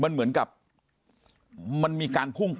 เสียชีวิต